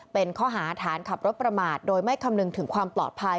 เป็นข้อหาฐานขับรถประมาทโดยไม่คำนึงถึงความปลอดภัย